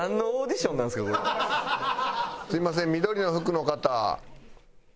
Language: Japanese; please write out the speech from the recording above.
すみません緑の服の方。